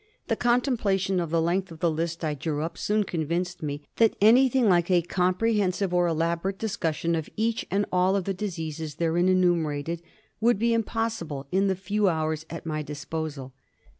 The con . templation of the length of the list I drew up soon convinced me that anything like a comprehensive or elaborate discussion of each and all of the diseases therein enumerated would be impossible in the few hours at my disposal.